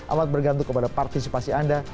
amat bergantung kepada partisipasi anda